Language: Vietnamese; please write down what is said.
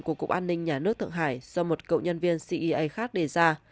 của cục an ninh nhà nước thượng hải do một cựu nhân viên cea khác đề ra